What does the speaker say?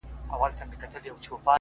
o چي ته بېلېږې له مست سوره څخه،